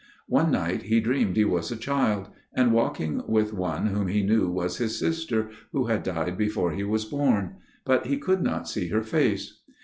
" One night he dreamed he was a child, and walking with one whom he knew was his sister who had died before he was born ; but he could not see her face.